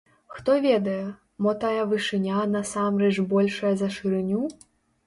Хто ведае, мо тая вышыня, насамрэч, большая за шырыню?